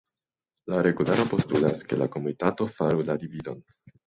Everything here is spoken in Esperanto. la regularo postulas, ke la komitato faru la dividon.